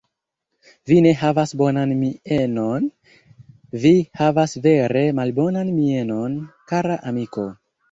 Vi ne havas bonan mienon; vi havas vere malbonan mienon, kara amiko.